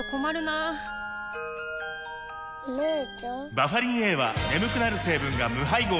バファリンＡは眠くなる成分が無配合なんです